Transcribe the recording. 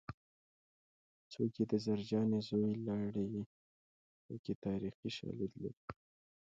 څوک یې د زرجانې زوی لاړې پکې تاریخي شالید لري